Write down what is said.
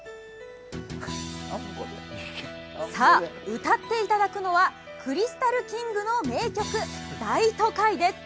さあ、歌っていただくのはクリスタルキングの名曲、「大都会」です。